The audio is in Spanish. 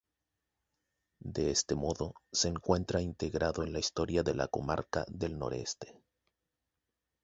De este modo se encuentra integrado en la historia de la comarca del Noroeste.